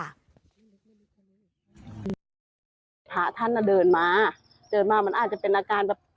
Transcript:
พระท่านอ่ะเดินมาเดินมามันอาจจะเป็นอาการแบบ